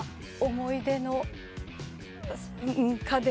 思い出の家電？